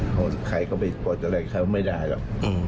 เขาขายเข้าไปปลดอะไรเขาไม่ได้หรอก